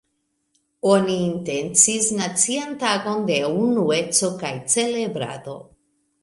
Oni intencis nacian tagon de unueco kaj celebrado.